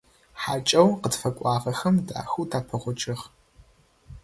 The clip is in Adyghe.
ХьакӀэу къытфэкӀуагъэхэм дахэу тапэгъокӀыгъ.